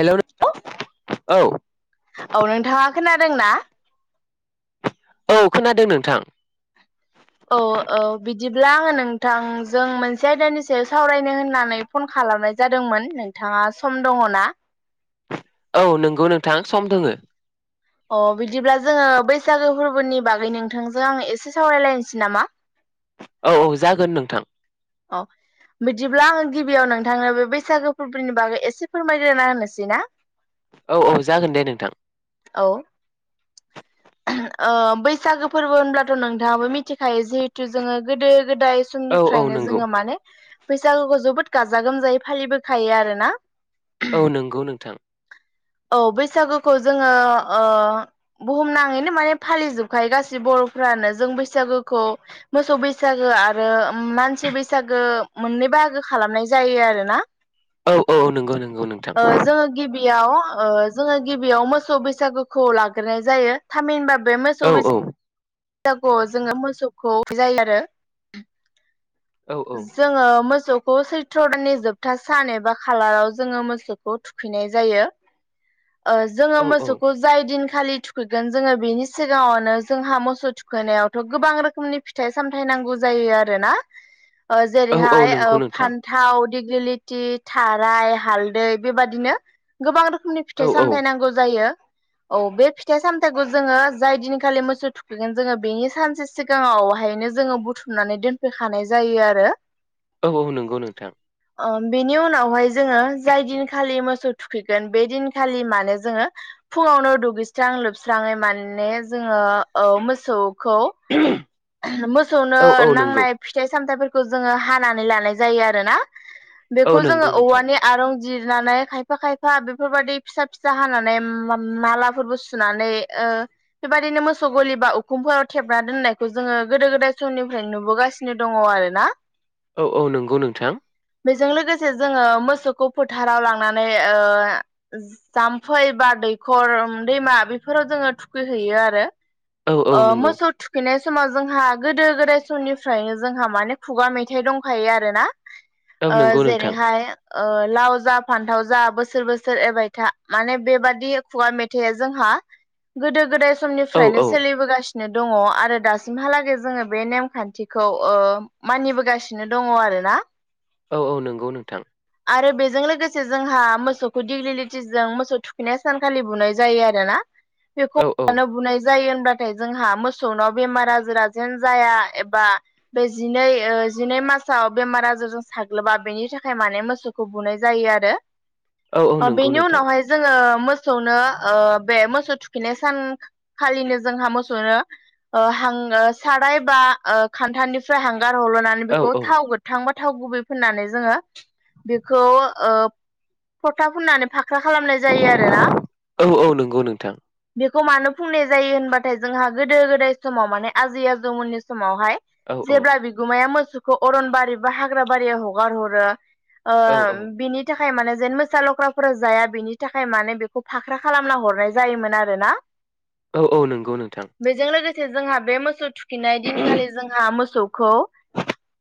हेल' औ‌। खोनादों ना। औ खोनादों नोंथां। औ औ बिदिब्ला आङो नोंथांजों मोनसे आयदानि सायाव सावरायनो होननानै फन खालाम। खालामनाय जादोंमोन नोंथाङा सम दङना। औ नोंगौ नोंथां सम दोङो। अ बिदिब्ला जोङो बैसागो फोरबोनि बागै नोंथांजों आङ एसे सावरायलायनोसै नामा। औ औ जागोन नोंथां। औ। बिदिब्ला आङो गिबियाव नोंथांनो बे बैसागो फोरबोनि बागै एसे फोरमायल्रना होनोसै ना। औ औ जागोन दे नोंथां‌ औ बैसागो फोरबो होनब्लाथ' नोंथाङाबो मिथिखायो जिहेथु जोङो गोदो गोदाय औ औ समनिफ्रायनो नंगौ जोङो माने बैसागुखौ जोबोद गाजा गोमजायै फालिबोखायो आरो ना! औ नंगौ नोंथां। औ बैसागुखौ जोङो ओ बुहुमना आरैनो माने फालिजोबखायो गासै बर'फ्रानो जों बैसागोखौ मोसौ बैसागो आरो। उम मानसि बैसागो मोननै बाहागो खालामनाय जायो आरो ना। औ अ नंगौ नंगौ नोंथां। जोङो गिबियाव ओ जोङो गिबियाव मोसौ बैसागुखौ लाग्रोनाय जायो थामिनबा बे मोसौ औ औ बैसागुआव जोङो मोसौखौ थुखैनाय जायो आरो। औ औ जोङो मोसौ मोसौखौ सैथ्र' दाननि जोबथा सान एबा खालाराव जोङो मोसौखौ थुखैनाय जायो। ओ जोङो औ मोसौखौ जाय दिन खालि थुखै जेन जोङो बेनि सिगाङावनो जोंहा मोसौ थुखैनायावथ' गोबां रोखोमनि फिथाइ सामथायाइ नांगौ जायो। आरोना ओ औ औ जेरैहाय नंगौ ओ नोंथां फान्थाव दिग्लिलिथि थाराय हालदै बेबादिनो गोबां रोखोम नि औ फिथाइ औ सामथाय नांगौ जायो औ बे फि फिथाइ सामथाइखौ जोङो जाय दिनखालि मोसौ थुखैगोन जोङो बेनि सानसे सिगाङावहायनो जोङो बुथुम फुनानै दोनफैखानाय जायो आरो औ औ नंगौ नोंथां अ बेनि उनावहाय जोङो जाय दिनखालि मोसौ थुखैगोन बे दिनखालि मानो जोङो फुङावनो दुगैस्रां लोबस्राङै माने जोङो औ‌ मोसौखौ एह मोसौनो औ औ नंगौ नांनाय फिथाइ सामथाइफोरखौ जोङो हानानै लानाय जायो आरोना औ बेखौ जोङो नंगौ नोंथां औवानि आरं जिरनानै ओ बेबायदिनो मोसौ गलि बा उखुमफोराव थेबना दोननाय खौ जोङो गोदो गोदाय समनिफ्राय नुबोगासिनो दङ आरो ना औ औ नंगौ नोंथां बेजों लोगोसे जोङो मोसौखौ फोथाराव लांनानै ओ जाम्फै बा दैखर उम दैमा बेफोराव जोङो थुखैहैयो आरो औ औ अ नंगौ मोसौ थुखै थुखैनाय समाव जोंहा गोदो गोदाय समनिफ्रायनो जोंहा माने खुगा मेथाइ दंखायो आरोना औ ओ नंगौ नोंथां जेरैहाय ओ लाव जा फान्थाव जा बोसोर बोसोर एरबायथा माने बेबादि खुगा मेथाइआ जोंहा जोंहा गोदो गोदाय औ समनिफ्रायनो औ सोलिबोगासिनो दङ आरो आरो दासिमहालागै जोङो बे नेमखान्थिखौ ओ मानिबोगासिनो दङ आरोना औ औ नंगौ नोंथां आरो बेजों लोगोसे जोंहा मोसौखौ दिग्लिलिथिजों मोसौ थुखैनाय सानखालि बुनाय जायो आरोना बेखौ औ औ मानो बुनाय जायो होनबाथाय जोंहा मोसौनाव बेमार आजारा जेन जाया एबा बे जिनै ओ जिनै मास औ औ नंगौ बेनि नोंथां उनावहाय जोङो मोसौनो ओ बे मोसौ थुखैनाय सानखालिनो जोंहा मोसौनो ओ हां ओ साराय बा ओ खान्थालनिफ्राय हां गार हरल'नानै औ बेखौ थाव गोथांबा थाव गुबै फोनानै जोङो बेखौ ओ फथा फुननानै फाख फाख्रा खालामनाय जायो आरोना औ औ नंगौ नोंथां बे बेखौ मानो फुननाय जायो होनबाथाय जोंहा गोदो गोदाय समाव माने आजै आजौमोननि समावहाय औ जेब्ला औ बिगुमाया मोसौखौ अरनबारि बा हाग्रा बारियाव हगार हरो अओ औ औ बिनि थाखाय थाखाय माने जेन मोसा लख्राफोरा जाया बेनि थाखाय माने बेखौ फाख्रा खालामना हरनाय जायोमोन आरोना औ औ नंगौ नोंथां बेजों लोगोसे जोंहा बे मोसौ थुखैनाय दिनखालि जोंहा मोसौ मोसौखो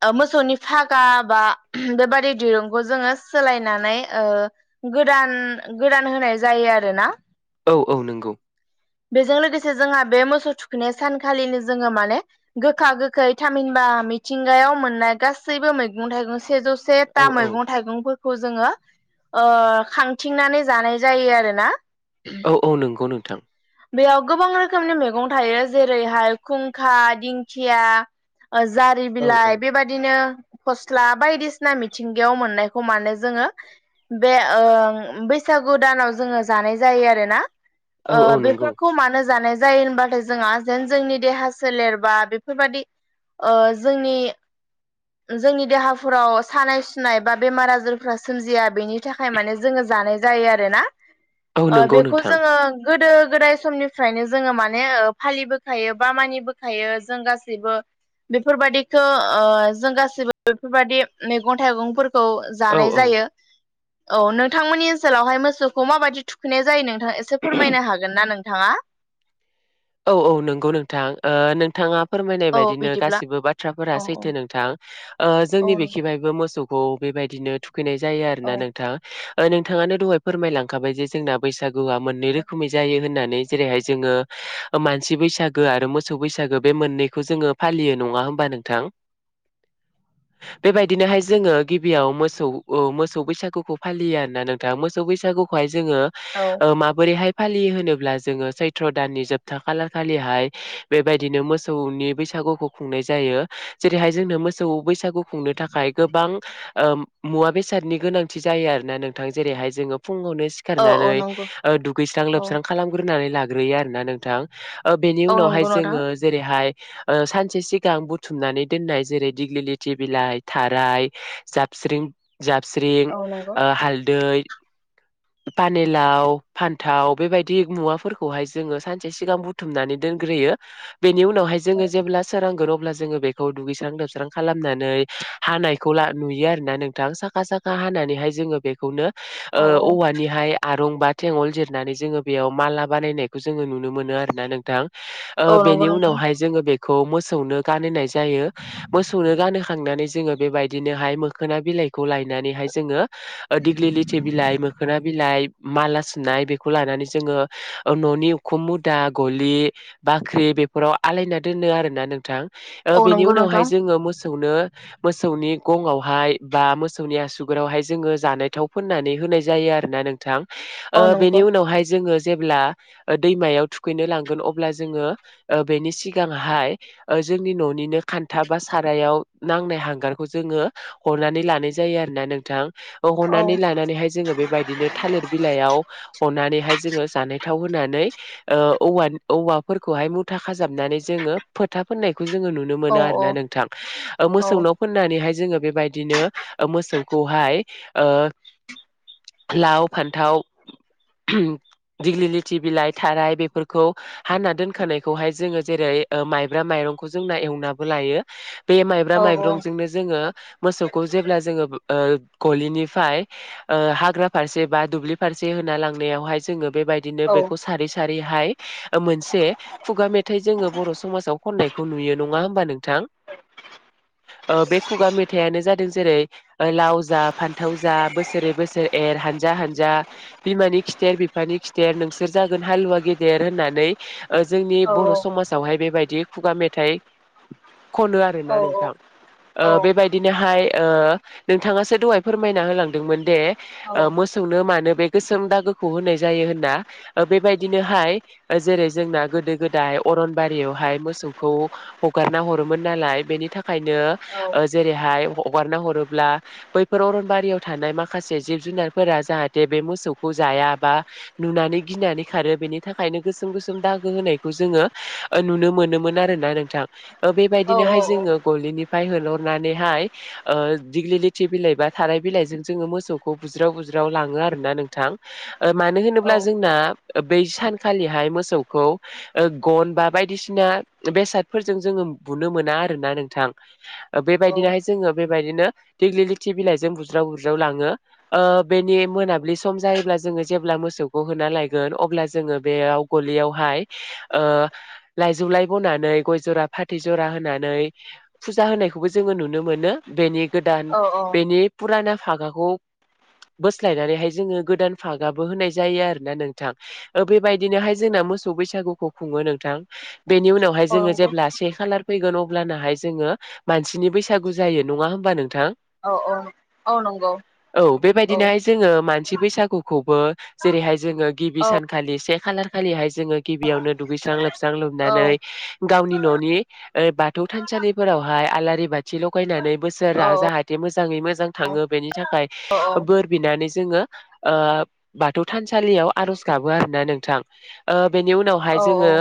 ओ मोसौनि फागा बा ओम बेबादि दिरुं बेखौ जोङो सोलायनानै ओ गोदान गोदान होनाय जायो आरोना औ औ नंगौ बेजों लोगोसे जोंहा बे मोसौ थुखैनाय सानखालिनो जोङो माने गोखा गोखै थामहिनबा मिथिंगायाव मोननाय गासैबो मैगं थाइगं सेजौ से औ था औ मैगं फोरखौ जोङो ओ खांथिंनानै जानाय जायो आरोना। औ औ नंगौ नोंथां बेयाव गोबां रोखोमनि मैगं थायो जेरैहाय खुंखा, दिंखिया। जारि औ औ बिलाइ बेबादिनो फस्ला बायदिसिना मिथिंगायाव मोननायखौ माने जोङो बे ओ बैसाग बैसागु दानाव जोङो जानाय जायो आरोना। ओ औ औ नंगौ बेफोरखौ मानो जानाय जायो होनबाथाय जोंहा जेन जोंनि देहा सोलेरबा बेफोरबादि ओ जोंनि। जोंनि देहाफोराव सानाय सुनाय बा बेमार आजारफ्रा सोमजिया बेनि थाखाय माने जोङो जानाय जायो आरोना औ ओ नंगौ बेखौ नोंथां जोङो गोदो गोदाय। समनिफ्रायनो जोङो माने ओ‌ फालिबोखायो बा मानिबोखायो जों गासैबो बेफोरबादिखौ ओ जों गाससिबो बेफोरबायादि मैगं थाइगंफोर गौ औ जानाय औ जायो औ नोंथांमोननि ओनसोलावहाय मोसौखौ माबायदि थुखैनाय जायो नों नोंथ एसे फोरमायनो हागोन ना नोंथाङा? औ औ नंगौ नोंथां ओ नोंथाङा। फोरमायनाय औ बायदिनो बिदिब्ला गासिबो बाथ्राफोरा औ सैथो नोंथां ओ जोंनि औ नों- बेखेबायबो मोसौ खौ बेबायदिनो थुखैनाय जायो औ आरोना नोंथां।। ओ नोंथाङानो दहाय फोरमायलांखाबाय जे जोंना बैसागुआ मोननै औ रोखोमै जायो होननानै। जेरैहाय जोङो मानसि बैसागो आरो मोसौ बैसागो बे मोननैखौ जोङो फालियो नङा होमबा नोंथां। [inaudible] बेबायदिनोहाय जोङो गिबियाव मोसौ ओ मोसौ बैसागुखौ फालियो आरोना नोंथां मोसौ बैसागुखौहाय जोङो औ ओ माबोरैहाय फालियो होनोब्ला जोङो सैथ्र' दाननि जोब सथा खालारखालिहाय बेबायदिनो मोसौनि बैसागुखौ खुंनाय जायो जेरैहाय जोंनो मोसौ बैसागु खुंनो थाखाय गोबां ओ मुवा बेसादनि गोनांथि जायो आरोना नोंथां ज। बेहाय जोङो। फुुंआवनो औ औ सिखारनानै नंगौ ओ दुगैस्रां औ लोबस्रां खालामग्रोनानै लाग्रोयो आरो ना नोंथां। ओ बेनि औ उनावहाय नंगौ नोंथां जोङो जेरैहाय ओ सानसे सिगां बुथुमनानै दोननाय जेरै दिग्लिलिथिे बिलाइ थाराय ज स्रिं जाबस्रिं औ नंगौ ओ हालदै। पानिलाव फान्थाव बेबायदि मुवाफोरखौहाय जोङो सानस सानसे सिगां बुथुमनानै दोनग्रोयो बेनि उनावहाय औ जोङो जेब्ला सोरांगोन अब्ला अब्ला जोङो बेखौ दुगैस्रां दोबस्रां खालामनानै हानायखौ नुयो आरोना नोंथां साखा साखा। हानानैहाय जोङो बेखौनो ओ औ औ औवानिहाय आरं बा थेंगल जिरनानै जोङो बेयाव माला बानायनायखौ जोङो नु नुनो मोनो आरोना नोंथां ओ औ नंगौ बेनि नोंथां उनावहाय जोंओ बेखौ मोसौनो गानहोनाय जायो मोसौनो गानहोखांनानै जोङो बेबायदिनोहाय मोखोना बिलाइखौ लायनानैहाय जोङो। ओ दिग्लि लिथि बिलाइ मोखोना बिलाइ माला सुनाय बेखौ लानानै जोङो न'नि उखुम मुदा गलि बाख्रि बेफोराव आलायना दोनो आरोना नोंथां। ओ औ बेनि नंगौ उनावहाय नोंथां जोङो मोस मोसौनो मोसौनि गंआवहाय बा मोसौनि आसुगुराव हाय जोङो जानाय थाव फोन्नानै हो होननाय जायो आरोना नोंथां औ ओ बेनि नंगौ उनावहाय जोङो जेब्ला दैमायाव थुखैनो लांगोन अब्ला जोङो ओ बेनि सिगांहाय ओ‌ जोंनि न'निनो खान्था बा सारायाव नांनाय हांगारखौ जोङो हरनानै लानाय जायो आरो ना नोंथां। औ हनानै लानानैहाय जोङो बेबायदिनो थालिर बिलाइयाव हनानैहाय जोङो जानाय थावो। नायनानै ओ औवा औवाफोरखौहाय मुथा खाजाबनानै जोङो फोथा फोननाय जोंङो नोनो औ मोनो औ आरोना नोंथां अ औ मोसौनो फोननानैहाय जोङो बेबायदिनो मोसौखौहाय अ। लाव फान्थाव दिगलिलि थि बिलाइ थाराय बेफोरखौ हाना दोनखानायखौहाय जोङो जेरै माइब्रा माइरंखौ जों एवनाबो लायो बे माइब्रा औ माइब्रंजोंनो जोङो मोसौखौ जेब्ला जोङो ओ गलिनिफ्राय अ हाग्रा फारसे बा दुब्लि फारसे होना लांनायावहाय जोङो बेबाय दिनो औ बेखौ सारै सारहाय मोनसे खुगा मेथाइ जोङो बर' समाजाव खननायखौ नुयो। यो नङा होमबा नोंथां। [unintelligible] अ बे खुगा मेथाइानो जादों जेरै लाव जा फान्थाव जा बोसोरै बोसोर एर हानजा हानजा बिमानि खिथेर बिफानि खि थेर नोंसोर जागोन हालुवा गेदेर होननानै ओ जोंनि औ बर' समाजावहाय बेबायदि खुगा मेथाइ खनो औ आरोना नोंथां ओ बेबायदिनोहाय ओ नोंथाङासो दहाय फोरमायना होलांदोंमोन दे मोसौनो मानो बे गोसोम दागो खौ होनाय जायो होन ना ओ बेबायदिनोहाय जेरै जोंना गोदो गोदाय अरनबारियावहाय मोसौखौ हगारना हरोमोन नालाय बेनि थाखायनो ओ जेरैहाय हगारना हरोब्ला बैफोर अरनबारियाव थानाय माखासे जिब जुनारफोरा जाहाथे बे मोसौखौ जाया बा नुनानै गिनानै खारो बेनि थाखायनो गोसोम गोसोम दागो होनायखौ जोङो ओ नुनो मोनोमोन आरो ना नोंथां ओ बेबायदिनोहाय जोङो गलिनि फ्राय होहरनानैहाय ओ दिग्लि लथि बिलाइ बा थाराय बिलाइजों जोङो मोसौखौ बुज्राव बु ज्राव लाङो आरो ना नोंथां ओ मानो होनोब्ला औ जोंना बै सानखालिहाय मोसौखौ ओ गन बा बायदिसिना बेसादफोरजों जोङो बुनो मोना आरोना नोंथां बेबायदिनोहाय जोङो बेबायदिनो दिग्लिलिथि बिलाइजों बु ज्राव बुज्राव लाङो ओ बेनि मोनाब्लि सम जायो जोङो जेब्ला मोसौ खौ होना लायगोन अब्ला जोङो बेयाव गलियावहाय ओ लायजौलाय बनानै गय जरा फाथै जरा होननानै फुजा होनायखौबो जोङो नुनो मोन बेनि गोदान औ औ बेनि फुराना फागाखौ बोस्लायनानैहाय जोङो गोदान फागाबो होनाय जायो आरो ना नोंथां ओ बेबायदिनोहाय जोंना मोसौ बैसागुखौ खुङो नोंथां । बेनि उनावहाय औ जोङो नंगौ जेब्ला से खालार फैगोन अब्लानाहाय जोङो मानसिनि बैसागु जायो नङा होमबा नोंथां । औ औ औ नंगौ औ औ बेबायदिनोहाय जोङो मानसि बैसागुखौबो जेरैहाय जोङो गिबि औ सानखालि से खालारखालिहाय जोङो गिबियावनो दुगैस्रां लोबस्रां औ लोबनानै गावनि न'नि ओ बाथौ थानसालिफोरावहाय आलारि बाथि लगायनानै बोसोरा औ जाहा थे मोजाङै मोजां थाङो बेनि थाखाय औ बोर बिनानै जोङो ओ बाथौ थानसालियाव आर'ज गाबो आरोना नोंथां ओ बेनि उनावहाय औ जोङो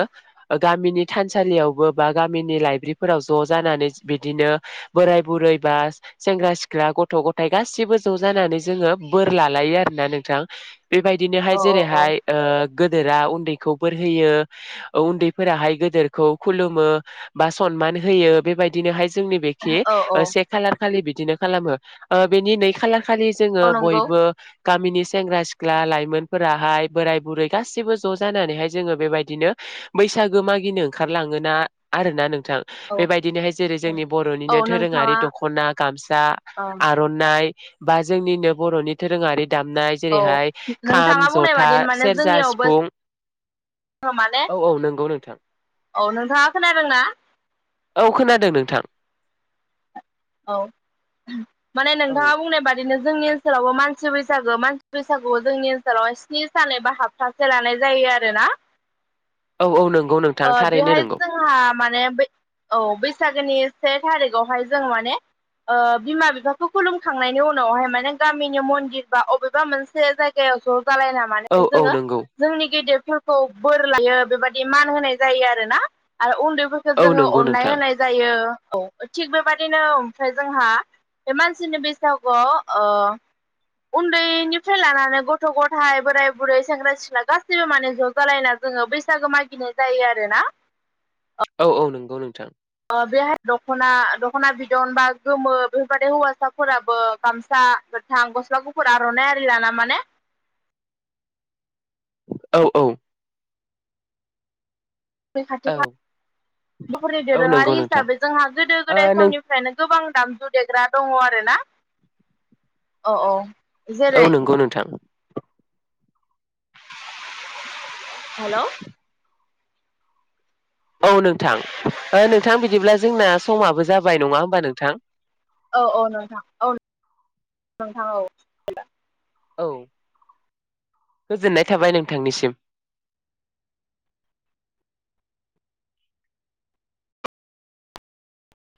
गामि नि थानसालियावबो बा गामिनि लाइब्रिफोराव ज' जानानै बिदिनो बोराय बुरै बा सेंग्रा सिख्ला गथ' गथाय गासिबो ज' जानानै जोङो बोर लालायो आरोना नोंथां । बेबायदिनोहाय औ जेरैहाय ओ गोदोरा उन्दैखौ बोर होैयो उन्दैफोराहाय गदोरखौ खुलुमो बा स नमान होयो बेबायदिनोहाय जोंनि बेखि औ ओ से खालार खालि बिदिनो खालामो ओ बेनि नै खालार खालि जोङो औ नंगौ बयबो गामिनि सेंग्रा सि ख्ला लाइमोनफोराहाय बोराय बुरै गासिबो ज' जानानैहाय जोङो बेबायदिनो बैसागो मागि नो ओंखारलाङोना आरोना नों थां औ बेबायदिनोहाय जेरै जोंनि औ बर'निनो दोरोङारि नोंथाङा दख'ना गामसा ओं आर'नाइ बा जोंनिनो बर'नि दोरोङारि दामनाय औ जेरैहाय खाम नोंथाङा बुंनाय जथा बादि माने सेरजा सिफुं जोंनियावबो माने औ औ नंगौ नोंथां औ नोंथाङा खोनादोंना? औ खोनादों नोंथां । औ माने नोंथाङा बुंनाय बादिनो जोंनि ओनसोलावबो मानसि बैसागो मानसि बैसागुआव जोंनि ओनसोलाव स्नि सान एबा हाबथासे लानाय जायो आरोना । औ औ नों बेवहाय जोंहा माने औ बैसागो गोनि से थारिखयावहाय जों माने ओ बिमा बिफाखौ खुलुमखांनायनि उनावहाय माने गामिनि मन्दिर बा अबेबा मोनसे जायगायाव ज' जालायना औ माने औ जोङो नंगौ जोंनि गेदेरफोरखौ बोर लायो बेबायदि मा न होनाय जायो आरो ना आरो उन्दैफोरखौ औ जोङो नंगौ अननाय नोंथां होनाय जायो । औ थिग बेबादिनो ओमफ्राय जोंहा बे मानसिनि बैसागुआव उन्दैनिफ्राय लानानै गथ' गथाय बोराय बुरै सेंग्रा सिख्ला गासैबो माने ज' जालायना जोङो बैसागो मागिनाय जायो आरो ना औ औ नंगौ नोंथां बेह दखना दख'ना बिदन बा गोमो बेफोरबदि हौवासाफोराबो गामसा थां गस्ला गुफुर आर'नाइ आरिलाना माने औ औ बेै औ खाथिखा बरनि औ दोरोङारि नंगौ नोंथां हिसाबै जोंहा गोदो ओ गोदाय नों समनिफ्रायनो गोबां दामजु देग्रा दङ आरो ना औ औ औ जेरै नंगौ नोंथां हेल' औ नोंथां नोंथां बिदिब्ला जोंना समाबो जाबाय नङा होमबा नोंथां औ औ नोंथां औ नोंथां औ औ गोजोननाय थाबाय नोंथांनिसिम [inaudible]